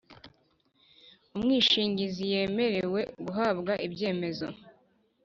umwishingizi yemerewe guhabwa ibyemezo.